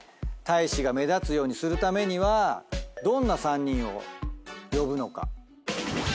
大志が目立つようにするためにどんな３人を呼ぶのか。